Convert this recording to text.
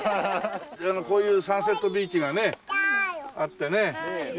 こういうサンセットビーチがねあってねよかったです。